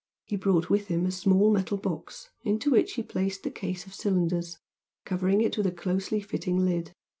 He brought with him a small metal box into which he placed the case of cylinders, covering it with a closely fitting lid.